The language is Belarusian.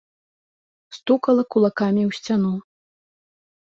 Стукала кулакамі ў сцяну.